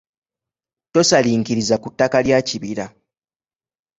Tosalinkiriza ku ttaka lya kibira.